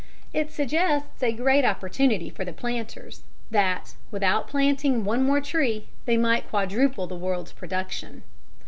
It suggests a great opportunity for the planters that, without planting one more tree, they might quadruple the world's production.